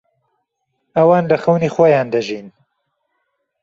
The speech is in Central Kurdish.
ئەوان لە خەونی خۆیان دەژین.